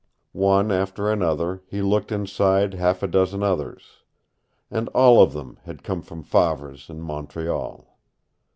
One after another he looked inside half a dozen others. And all of them had come from Favre's in Montreal.